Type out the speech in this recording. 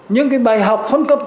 những bài học phân cấp